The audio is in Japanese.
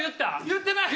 言ってない。